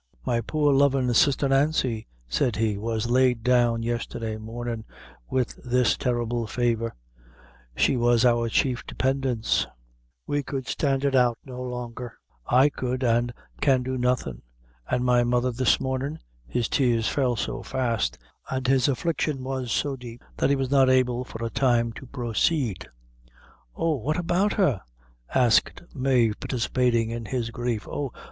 "My poor lovin' sister Nancy," said he, "was laid down yesterday morning with this terrible faver; she was our chief dependence; we could stand it out no longer; I could, an' can do nothing; an' my mother this mornin'" His tears fell so fast, and his affliction was so deep, that he was not able, for a time to proceed. "Oh! what about her?" asked Mave, participating in his grief; "oh!